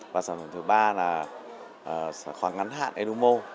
và sản phẩm thứ ba là khoảng ngắn hạn edumo